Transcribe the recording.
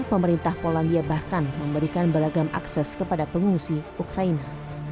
pemerintah polandia bahkan memberikan beragam akses kepada pengungsi ukraina